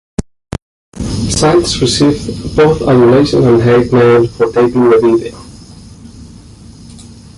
Sites received both adulation and hate mail for taping the video.